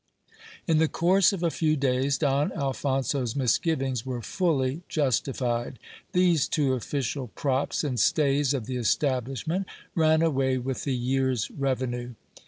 In the course of a few days Don Alphonso's misgivings were fully justified ; these two official props and stays of the establishment ran away with the year's revenue.